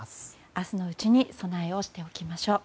明日のうちに備えをしておきましょう。